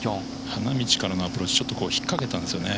花道からのアプローチをひっかけたんですよね。